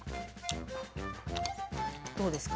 どうですか？